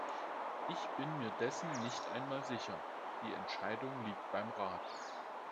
Ich bin mir dessen nicht einmal sicher, die Entscheidung liegt beim Rat.